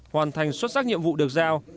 hoàn thành xuất sắc nhiệm vụ được giao